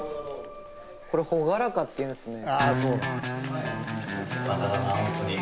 これ「ほがらか」っていうんすね。